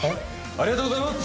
ありがとうございます！